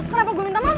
kenapa gua minta maaf